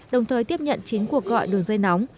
đồng thời tiếp nhận chín cuộc gọi đường dây nóng